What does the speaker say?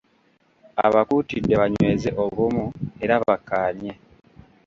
Abakuutidde banyweze obumu era bakkaanye.